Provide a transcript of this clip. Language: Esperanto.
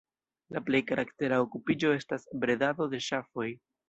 La plej karaktera okupiĝo estas bredado de ŝafoj.